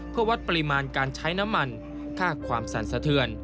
เพื่อวัดปริมาณการใช้น้ำมันค่าความสั่นสะเทือน